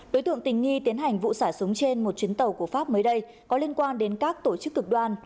đối tượng tình nghi tiến hành vụ xả súng trên một chuyến tàu của pháp mới đây có liên quan đến các tổ chức cực đoan